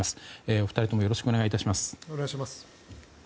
お二人ともよろしくお願いいたします。